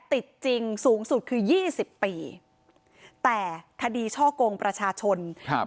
ติดจริงสูงสุดคือยี่สิบปีแต่คดีช่อกงประชาชนครับ